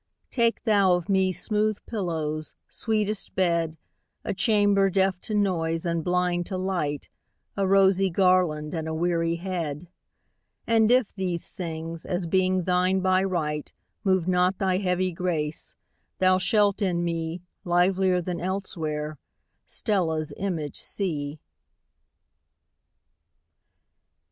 Take thou of me smooth pillows, sweetest bed,A chamber deaf to noise and blind to light,A rosy garland and a weary head:And if these things, as being thine by right, Move not thy heavy grace, thou shalt in me, Livelier than elsewhere, Stella's image see.